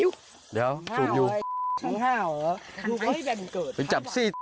ประเภทประเภทประเภท